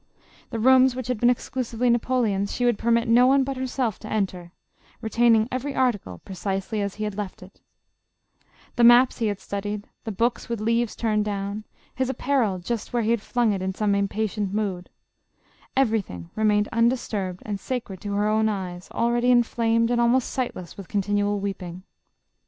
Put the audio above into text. The rooms which had been exclusively Napoleon's, she would permit no one but herself to enter, retaining every article pre cisely as he had left it The maps he had studied, the books with leaves turned down, his apparel j ust where he had flung it in some impatient mood; everything remained undisturbed and sacred to her own eyes al ready inflamed and almost sightless with continual weeping.